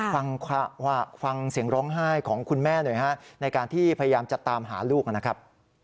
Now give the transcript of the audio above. ฟังเสียงร้องไห้ของคุณแม่หน่อยฮะในการที่พยายามจะตามหาลูกนะครับ